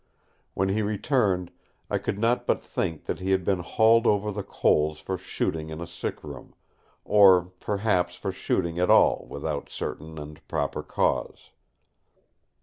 When he returned I could not but think that he had been hauled over the coals for shooting in a sick room; or perhaps for shooting at all without certain and proper cause.